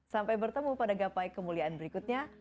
sampai bertemu pada gapai kemuliaan berikutnya